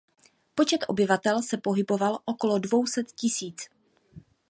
Počet obyvatel se pohyboval okolo dvou set tisíc.